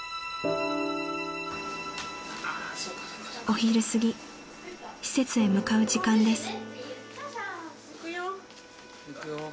［お昼すぎ施設へ向かう時間です］